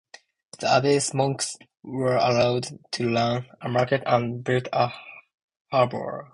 The Abbey's monks were allowed to run a market and build a harbour.